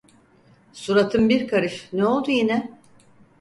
Suratın bir karış, ne oldu yine?